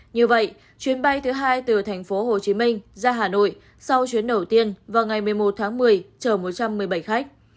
như vậy chuyến bay thứ hai từ tp hcm ra hà nội sau chuyến đầu tiên vào ngày một mươi một tháng một mươi chở một trăm một mươi bảy khách